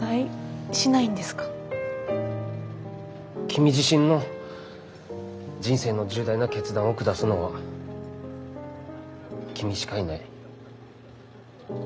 君自身の人生の重大な決断を下すのは君しかいない。